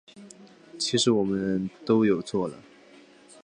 其实我们都有做了